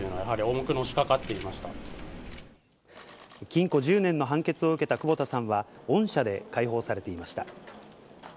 禁錮１０年の判決を受けた久保田さんは恩赦で解放されていました。